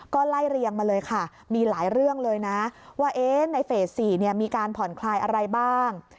ก็ไล่เรียงมาเลยค่ะมีหลายเรื่องเลยนะว่าในเฟส๔มีการผ่อนคลายอะไรบ้าง